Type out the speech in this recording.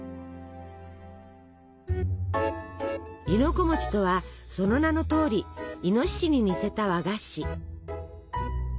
「亥の子」とはその名のとおりイノシシに似せた和菓子。